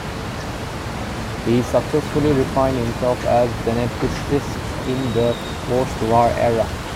He successfully redefined himself as a geneticist in the postwar era.